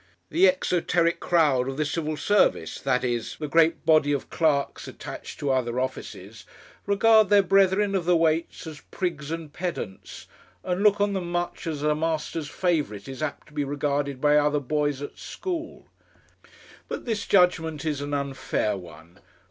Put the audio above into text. The exoteric crowd of the Civil Service, that is, the great body of clerks attached to other offices, regard their brethren of the Weights as prigs and pedants, and look on them much as a master's favourite is apt to be regarded by other boys at school. But this judgement is an unfair one.